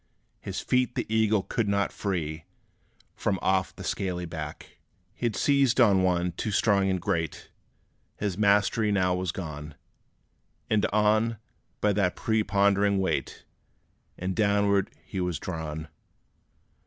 His feet the eagle could not free From off the scaly back. He 'd seized on one too strong and great; His mastery now was gone! And on, by that prepondering weight, And downward, he was drawn.